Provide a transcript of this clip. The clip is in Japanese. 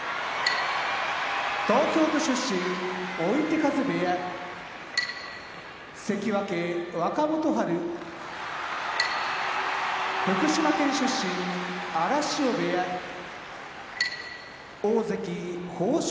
東京都出身追手風部屋関脇・若元春福島県出身荒汐部屋大関豊昇